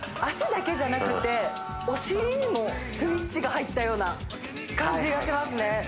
脚だけじゃなくてお尻にもスイッチが入ったような感じがしますね